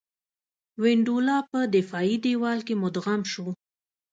وینډولا په دفاعي دېوال کې مدغم شو.